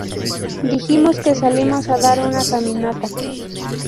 Dijimos que salimos a dar una caminata.